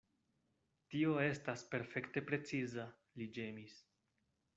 Tio estas perfekte preciza, li ĝemis.